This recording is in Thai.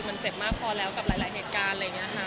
มันเจ็บมากพอแล้วกับหลายเหตุการณ์อะไรอย่างนี้ค่ะ